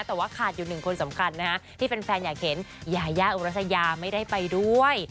แต่ว่าขาดอยู่หนึ่งคนสำคัญนะฮะที่แฟนอยากเห็นยายาอุรัสยาไม่ได้ไปด้วย